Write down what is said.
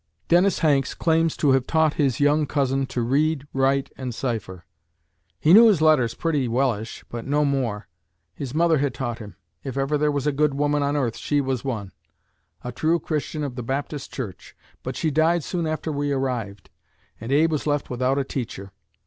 Dennis Hanks claims to have taught his young cousin to read, write, and cipher. "He knew his letters pretty wellish, but no more. His mother had taught him. If ever there was a good woman on earth, she was one, a true Christian of the Baptist church. But she died soon after we arrived, and Abe was left without a teacher.